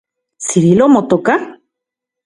¿Cirilo motoka?